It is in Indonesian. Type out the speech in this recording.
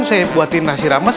saya buatin nasi rames